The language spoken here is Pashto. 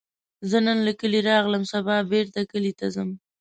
زه نن له کلي راغلم، سبا بیرته کلي ته ځم